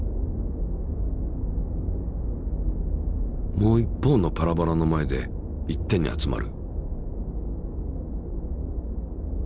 もう一方のパラボラの前で一点に集まる。